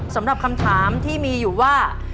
สำหรับคำถามที่มีอยู่ว่า